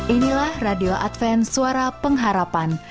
inilah radio advent suara pengharapan